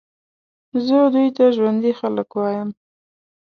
زه دوی ته ژوندي خلک وایم.